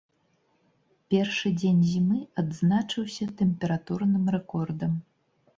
Першы дзень зімы адзначыўся тэмпературным рэкордам.